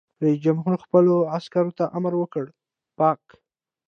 رئیس جمهور خپلو عسکرو ته امر وکړ؛ پاک!